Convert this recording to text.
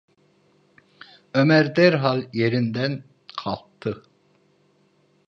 Ömer derhal yerinden kalktı.